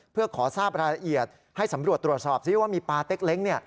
เพื่อขอทราบรายละเอียดให้สำรวจตรวจสอบซิว่ามีปลาเต็กเล้ง